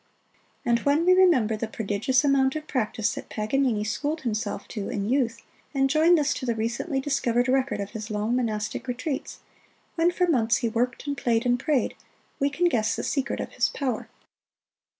And when we remember the prodigious amount of practise that Paganini schooled himself to in youth; and join this to the recently discovered record of his long monastic retreats, when for months he worked and played and prayed, we can guess the secret of his power.